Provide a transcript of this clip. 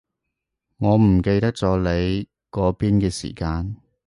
我唔記得咗你嗰邊嘅時間